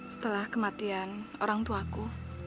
setelah kematian orang tuaku